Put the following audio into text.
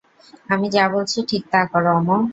আমি যা বলছি ঠিক তা করো, অমর।